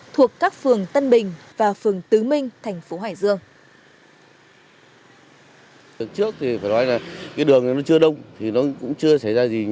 thuộc các phường tân bình và phường tứ minh tp hải dương